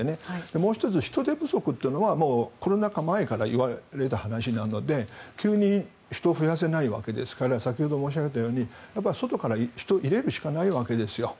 もう１つ、人手不足というのはコロナ禍前からいわれた話なので急に人を増やせないわけですから先ほど申し上げたように外から人を入れるしかないわけです。